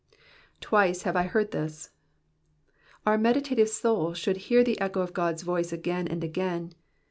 *'2Vice Jiave I heard this.^^ Our meditative soul should hear the echo of God's voice again and again.